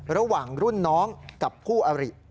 ระหว่างรุ่นน้องกับคู่อริ